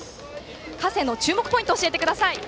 「加勢」の注目ポイントを教えてください。